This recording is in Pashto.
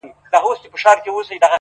هينداره وي چي هغه راسي خو بارانه نه يې ـ